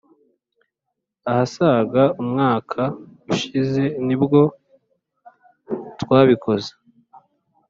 ahasaga umwaka ushize nibwo twabikoze